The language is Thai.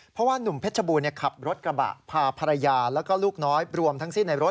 เพราะว่านุ่มเพชรบูรขับรถกระบะพาภรรยาแล้วก็ลูกน้อยรวมทั้งสิ้นในรถ